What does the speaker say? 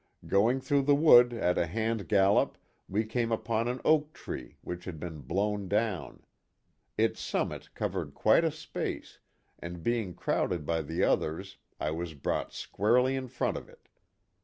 Going through the wood at a hand gallop we came upon an oak tree which had been blown down ; its summit covered quite a space, and being crowded by the others I was brought squarely in front of it.